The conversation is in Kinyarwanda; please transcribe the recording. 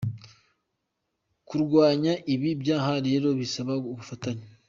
Kurwanya ibi byaha rero bisaba ubufatanye”.